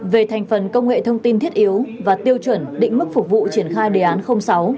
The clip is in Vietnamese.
về thành phần công nghệ thông tin thiết yếu và tiêu chuẩn định mức phục vụ triển khai đề án sáu